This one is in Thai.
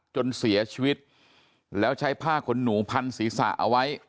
จนเสียชีวิตแล้วใช้ผ้าขนหนูพันศีรษะเอาไว้